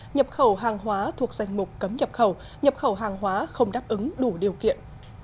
nhập khẩu hàng hóa thuộc danh mục cấm nhập khẩu nhập khẩu hàng hóa không đáp ứng đủ điều kiện